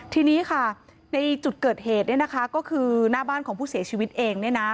ทีนี้ในจุดเกิดเหตุก็คือหน้าบ้านของผู้เสียชีวิตเอง